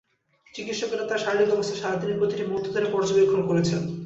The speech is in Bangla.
চিকিৎসকেরা তাঁর শারীরিক অবস্থা সারা দিনই প্রতিটি মুহূর্ত ধরে পর্যবেক্ষণ করেছেন।